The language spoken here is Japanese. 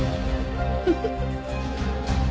フフフッ。